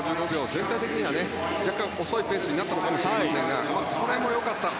全体的には若干遅いペースかもしれませんがこれも良かった。